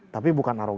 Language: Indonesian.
tapi bukan arogan